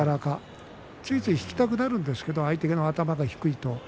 ついつい引きたくなるんですけれども相手の頭が低いと。